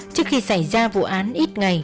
trước khi xảy ra vụ án ít ngày